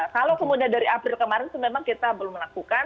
kalau kemudian dari april kemarin itu memang kita belum melakukan